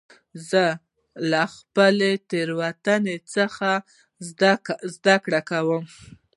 زه له خپلو تېروتنو څخه زدهکړه کوم.